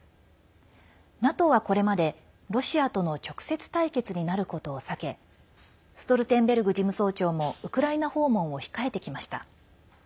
ＮＡＴＯは、これまでロシアとの直接対決になることを避けストルテンベルグ事務総長もウクライナ訪問を控えてきました。